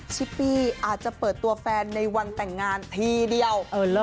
ชิปปี้อาจจะเปิดตัวแฟนในวันแต่งงานทีเดียว